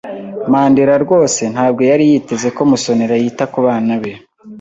Mandera rwose ntabwo yari yiteze ko Musonera yita kubana be.